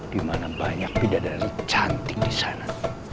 dimana banyak bidadari cantik disana